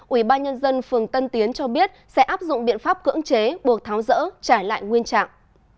ủy ban nhân dân phường tân tiến cho biết sẽ áp dụng biện pháp cưỡng chế buộc tháo rỡ trải lại nguyên trạng